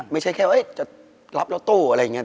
ไม่ใช่แค่จะรับยอตโตอะไรอย่างนี้